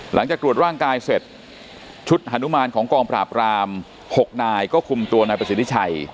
หลังจากตรวจร่างกายเสร็จชุดฮานุมานของกองปราบราม๖นายก็คุมตัวนายประสิทธิชัย